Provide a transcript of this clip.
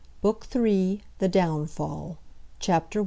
BOOK THIRD THE DOWNFALL. Chapter I.